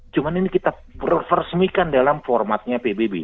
cuman ini kita berpersemikan dalam formatnya pbb